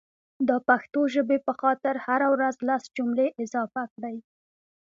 دا پښتو ژبې په خاطر هره ورځ لس جملي اضافه کړئ